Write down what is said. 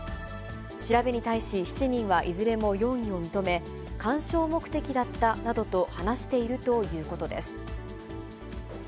調べに対し、７人はいずれも容疑を認め、鑑賞目的だったなどと話しているということです。